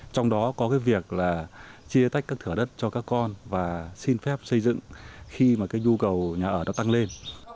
trong đó có cái việc là chia tách các thửa đất cho các con và xin phép xây dựng khi mà cái nhu cầu nhà ở nó tăng lên